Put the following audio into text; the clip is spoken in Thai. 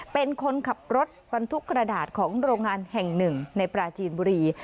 เป็นคนขับรถบรรทุกกระดาษของโรงงานแห่งหนึ่งในปราจีนบุรี